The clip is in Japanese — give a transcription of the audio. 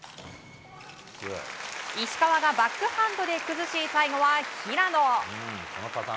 石川がバックハンドで崩し最後は平野。